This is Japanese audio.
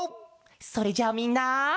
それじゃあみんな。